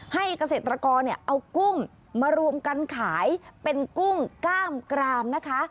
เกษตรกรเอากุ้งมารวมกันขายเป็นกุ้งกล้ามกรามนะคะ